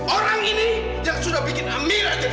orang ini yang sudah bikin amirah jadi celaka